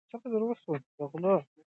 له غلو او درغلیو ځان وساتئ.